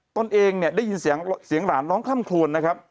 ตนเองได้ยินเสียงหลานร้องคล่ำคลวน